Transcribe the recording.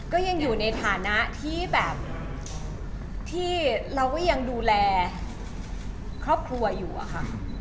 ก็ยังอยู่ในฐานะที่แบบที่เราก็ยังดูแลครอบครัวอยู่อะค่ะ